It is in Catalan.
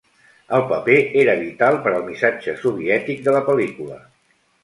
El paper era vital per al missatge soviètic de la pel·lícula.